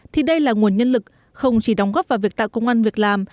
thì đây là nguồn nhân lực không chỉ đóng góp vào việc tạo công an việc làm